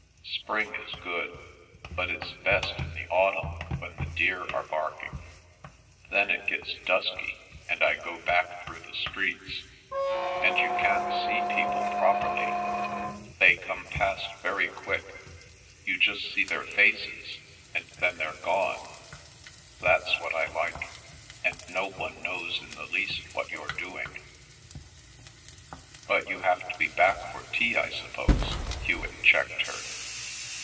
Spring is good, but it's best in the autumn when the deer are barking; then it gets dusky, and I go back through the streets, and you can't see people properly; they come past very quick, you just see their faces and then they're gone—that's what I like—and no one knows in the least what you're doing—" "But you have to be back for tea, I suppose?" Hewet checked her.